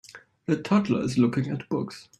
A toddler is looking at books.